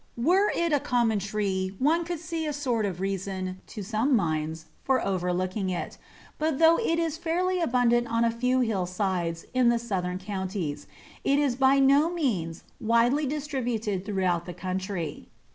Were it a common tree one could see a sort of reason (to some minds) for overlooking it, but though it is fairly abundant on a few hill sides in the southern counties, it is by no means widely distributed throughout the country.